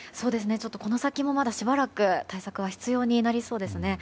この先も、まだしばらく対策は必要になりそうですね。